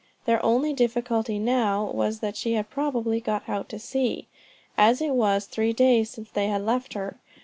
Their only difficulty now was that she had probably got out to sea, as it was three days since they had left her.